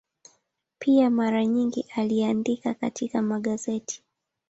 Pia mara nyingi aliandika katika magazeti.